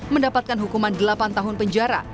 mendapatkan hukuman delapan tahun penjara